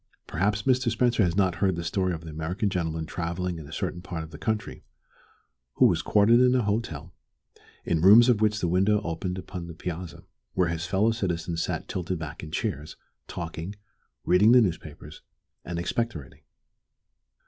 Perhaps Mr. Spencer has not heard the story of the American gentleman travelling in a certain part of the country, who was quartered in a hotel, in a room of which the window opened upon the piazza where his fellow citizens sat tilted back in chairs, talking, reading the newspapers, and expectorating.